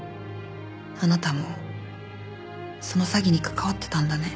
あなたもその詐欺に関わってたんだね。